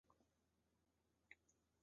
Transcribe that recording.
本文即阐述这两种色彩空间。